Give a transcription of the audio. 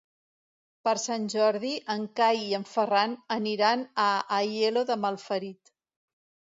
Per Sant Jordi en Cai i en Ferran aniran a Aielo de Malferit.